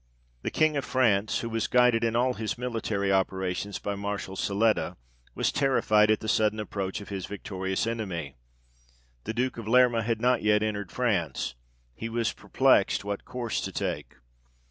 The King of France, who was guided in all his military operations by Marshall Siletta, was terrified at the sudden approach of his victorious enemy. The Duke of Lerma had not yet entered France ; he was perplexed what course to take.